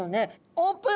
オープン！